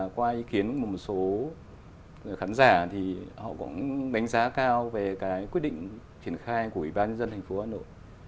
qua ý kiến của một số khán giả thì họ cũng đánh giá cao về cái quyết định triển khai của ủy ban nhân dân thành phố hà nội